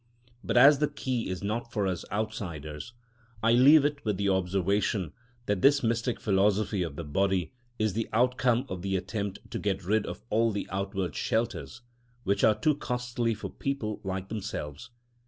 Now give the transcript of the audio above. But as the key is not for us outsiders, I leave it with the observation that this mystic philosophy of the body is the outcome of the attempt to get rid of all the outward shelters which are too costly for people like themselves.